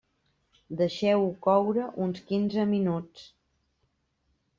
Deixeu-ho coure uns quinze minuts.